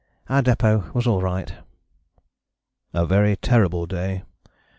Our depôt was all right." "A very terrible day....